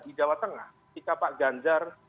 di jawa tengah jika pak jandar